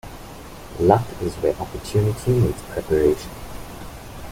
Luck is where opportunity meets preparation.